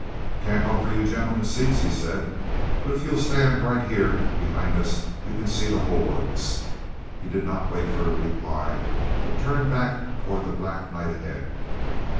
"Can't offer you gentlemen seats," he said, "but if you'll stand right here behind us you can see the whole works." He did not wait for a reply, but turned back toward the black night ahead.